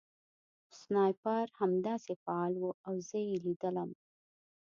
سنایپر همداسې فعال و او زه یې لیدلم